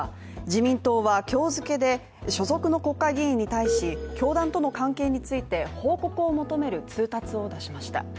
自民党は今日付けで所属の国会議員に対し教団との関係について報告を求める通達を出しました。